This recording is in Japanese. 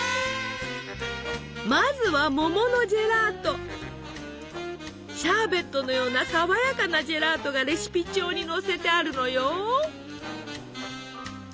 まずはシャーベットのようなさわやかなジェラートがレシピ帳に載せてあるのよ。